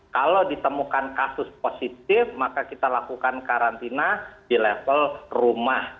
kalau ditemukan kasus positif maka kita lakukan karantina di level rumah